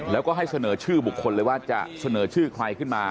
แล้วก็ให้เสนอชื่อบุคคลเลยว่าจะเสนอชื่อใครขึ้นมา